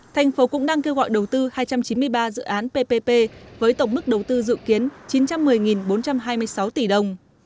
thành phố cũng đang kêu gọi đầu tư hai trăm chín mươi ba dự án ppp với tổng mức đầu tư dự kiến chín trăm một mươi bốn trăm hai mươi sáu tỷ đồng